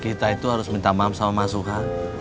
kita itu harus minta maaf sama mas suha